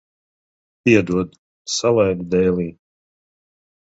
Piedod, salaidu dēlī.